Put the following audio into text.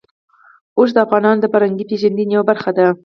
اوښ د افغانانو د فرهنګي پیژندنې یوه برخه ده.